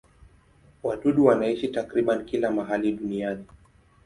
Wadudu wanaishi takriban kila mahali duniani.